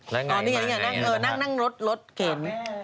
แล้วก็นี่ไงนั่งรถก็รถเก็บ